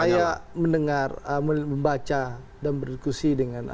saya mendengar membaca dan berdiskusi dengan